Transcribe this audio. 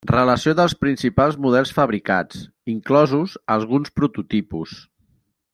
Relació dels principals models fabricats, inclosos alguns prototipus.